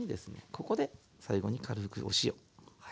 ここで最後に軽くお塩。